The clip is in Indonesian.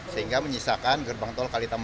sehingga menyisakan gerbang tol kalitama